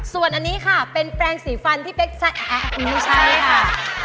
ส่วนอันนี้ค่ะเป็นแปลงสีฟันที่เป๊กจะไม่ใช่ค่ะ